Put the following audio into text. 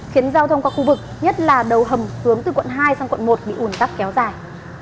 khiến giao thông qua khu vực nhất là đầu hầm hướng từ quận hai sang quận một bị ủn tắc kéo dài